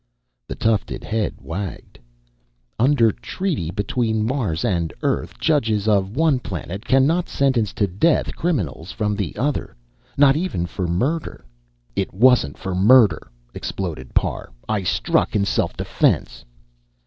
The tufted head wagged. "Underr trreaty between Marrs and Earrth, judgess of one planet cannot ssentence to death crriminalss frrom the otherr, not even forr murrderr " "It wasn't for murder!" exploded Parr. "I struck in self defense!"